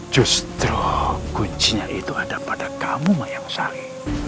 justru kuncinya itu ada pada kamu mayang sari